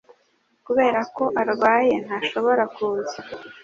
Kubera ko arwaye, ntashobora kuza